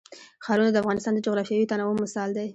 ښارونه د افغانستان د جغرافیوي تنوع مثال دی.